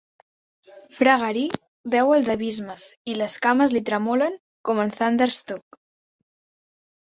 Fra Garí veu els abismes i les cames li tremolen, com en 'Thunderstruck'.